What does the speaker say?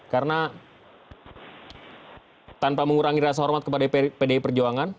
karena tanpa mengurangi rasa hormat kepada pdi perjuangan